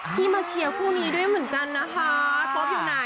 ที่มาเชียวคู่นี้ด้วยเหมือนกันนะคะ